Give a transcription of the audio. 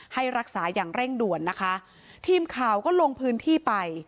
ให้รักษาอย่างเร่งด่วนนะคะทีมข่าวก็ลงพื้นที่ไป